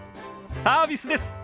サービスです。